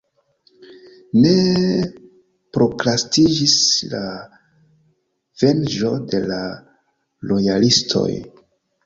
Ne prokrastiĝis la venĝo de la lojalistoj.